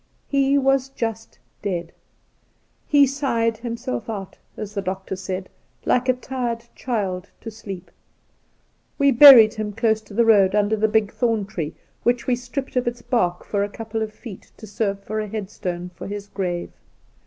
He was just dead. He sighed himself out, as the doctor said, like a tired chUd to sleep. We buried him dose to the road under a big thorn tree, which we stripped of its bark for a couple of feet to serve for a headstone for his grave.